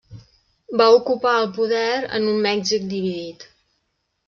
Va ocupar el poder en un Mèxic dividit.